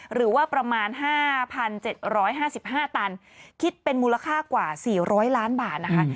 หรือว่าประมาณ๕๗๕๕ตันคิดเป็นมูลค่ากว่า๔๐๐ล้านบาทนะคะ